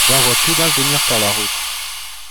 J'en vois plus d'un venir par la route.